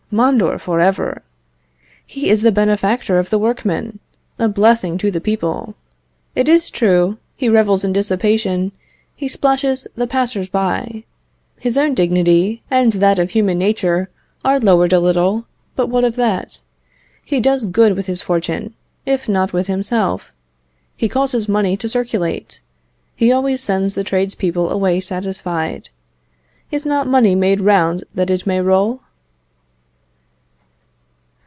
Mondor for ever! He is the benefactor of the workman; a blessing to the people. It is true, he revels in dissipation; he splashes the passers by; his own dignity and that of human nature are lowered a little; but what of that? He does good with his fortune, if not with himself. He causes money to circulate; he always sends the tradespeople away satisfied. Is not money made round that it may roll?"